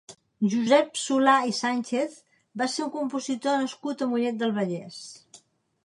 Josep Solà i Sànchez va ser un compositor nascut a Mollet del Vallès.